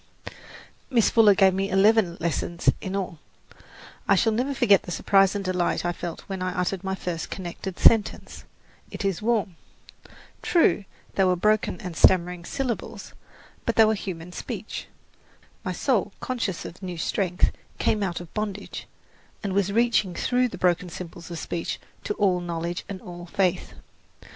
Miss Fuller gave me eleven lessons in all. I shall never forget the surprise and delight I felt when I uttered my first connected sentence, "It is warm." True, they were broken and stammering syllables; but they were human speech. My soul, conscious of new strength, came out of bondage, and was reaching through those broken symbols of speech to all knowledge and all faith.